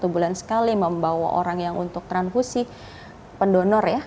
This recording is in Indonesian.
satu bulan sekali membawa orang yang untuk transfusi pendonor ya